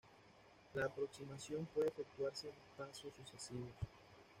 La aproximación puede efectuarse en pasos sucesivos.